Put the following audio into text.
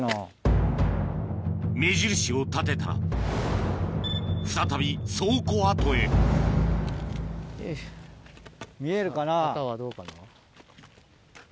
目印を立てたら再び倉庫跡へ旗はどうかな？